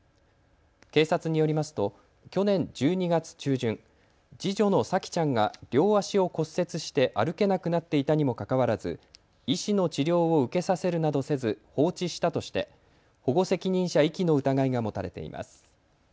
警察によりますと去年１２月中旬、次女の沙季ちゃんが両足を骨折して歩けなくなっていたにもかかわらず医師の治療を受けさせるなどせず放置したとして保護責任者遺棄の疑いが持たれています。